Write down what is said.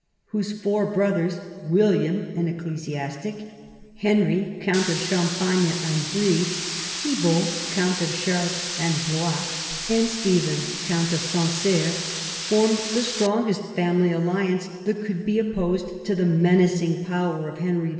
whose four brothers, William, an ecclesiastic ; Henry, count of Champagne and Brie ; Thibault, count of Chartres and Blois; and Stephen, count of Sancerre, formed the strongest family alliance that could be opposed to the menacing power of Henry II.